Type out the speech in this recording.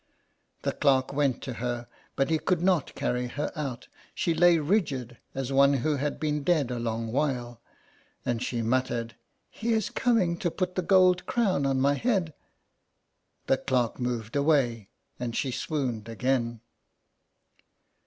The clerk went to her, but he could not carry her out; she lay rigid as one who had been dead a long while, and she muttered " He is coming to put the gold crown on my head." The clerk moved away, and she swooned again.